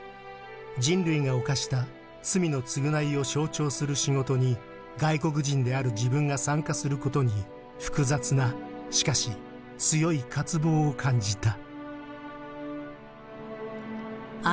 人類が犯した罪の償いを象徴する仕事に外国人である自分が参加することに複雑なしかし強い渇望を感じた」。